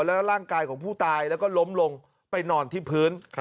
และร่างกายของผู้ตายล้มลงไปนอนที่พื้น